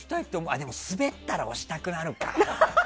でもスベったら押したくなるかな。